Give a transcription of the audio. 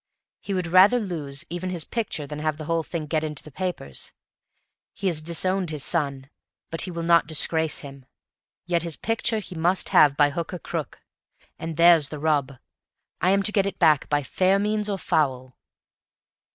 He would rather lose even his picture than have the whole thing get into the papers; he has disowned his son, but he will not disgrace him; yet his picture he must have by hook or crook, and there's the rub! I am to get it back by fair means or foul.